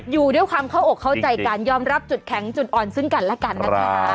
อยู่ด้วยความเข้าอกเข้าใจกันยอมรับจุดแข็งจุดอ่อนซึ่งกันและกันนะคะ